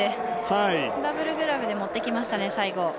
ダブルグラブで持ってきましたね、最後。